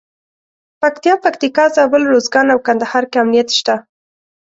پکتیا، پکتیکا، زابل، روزګان او کندهار کې امنیت شته.